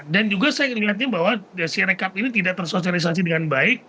dan juga saya lihatnya bahwa sirekap ini tidak tersosialisasi dengan baik